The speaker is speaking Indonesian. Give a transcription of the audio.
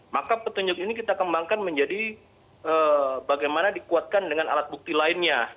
maka petunjuk ini kita kembangkan menjadi bagaimana dikuatkan dengan alat bukti lainnya